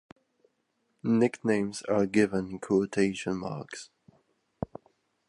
Nicknames are given in quotation marks.